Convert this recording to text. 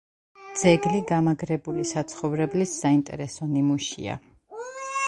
ძეგლი გამაგრებული საცხოვრებლის საინტერესო ნიმუშია.